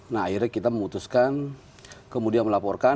nah akhirnya kita memutuskan kemudian melaporkan